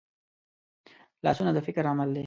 لاسونه د فکر عمل دي